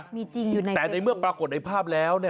มีจริงอยู่ในนั้นแต่ในเมื่อปรากฏในภาพแล้ว